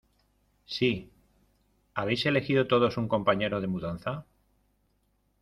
Sí. ¿ Habéis elegido todos un compañero de mudanza?